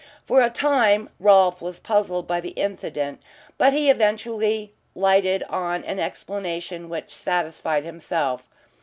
For a time Rolfe was puzzled by the incident, but he eventually lighted on an explanation which satisfied himself.